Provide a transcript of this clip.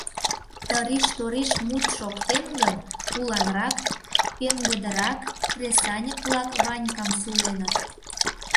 Тыриш-ториш мут шоктен гын, уланрак, пеҥгыдырак кресаньык-влак Ванькам суленыт.